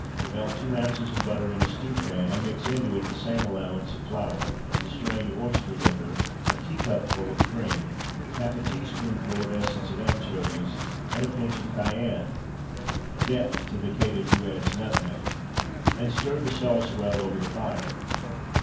Melt two ounces of butter in a stewpan, and mix into it the same allowance of flour, the strained oyster liquor, a teacupful of cream, half a teaspoonful of essence of anchovies, and a pinch of cayenne death to the caitiff who adds nutmeg and stir the sauce well over the fire.